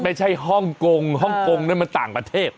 ไม่ใช่ห้องกงห้องกงนั้นมาต่างประเทศ